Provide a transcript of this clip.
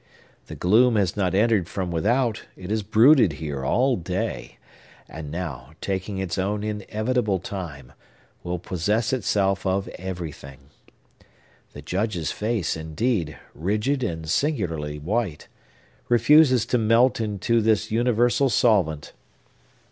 The gloom has not entered from without; it has brooded here all day, and now, taking its own inevitable time, will possess itself of everything. The Judge's face, indeed, rigid and singularly white, refuses to melt into this universal solvent.